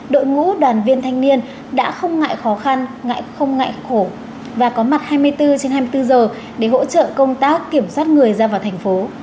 đội ngũ đoàn viên thanh niên đã không ngại khó khăn ngại không ngại khổ và có mặt hai mươi bốn trên hai mươi bốn giờ để hỗ trợ công tác kiểm soát người ra vào thành phố